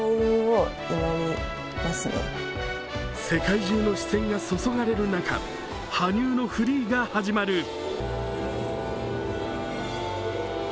世界中の視線が注がれる中、羽生のフリーが始まる。